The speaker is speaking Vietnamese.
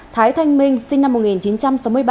thái thanh minh sinh năm một nghìn chín trăm sáu mươi ba